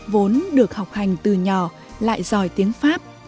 vốn được học hành từ nhỏ lại giỏi tiếng pháp